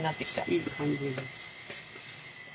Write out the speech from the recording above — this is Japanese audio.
いい感じで。